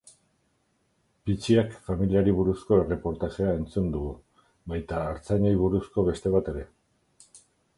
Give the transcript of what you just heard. Pitxiak familiari buruzko erreportajea entzungo dugu, baita artzainei buruzko beste bat ere.